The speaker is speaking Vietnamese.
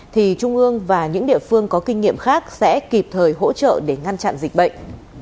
thì trung ương và những địa phương có kinh nghiệm khác sẽ kịp thời hỗ trợ để ngăn chặn dịch bệnh